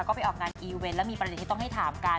ก็ไปออกงานอีเวนต์แล้วมีประเด็นที่ต้องให้ถามกัน